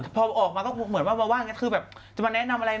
พอออกมาก็เหมือนแบบจะมาแนะนำอะไร